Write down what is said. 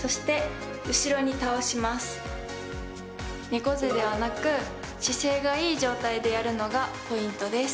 猫背ではなく姿勢がいい状態でやるのがポイントです。